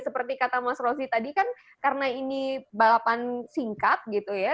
seperti kata mas rozi tadi kan karena ini balapan singkat gitu ya